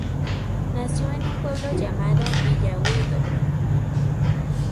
Nació en un pueblo llamado Villa Huidobro.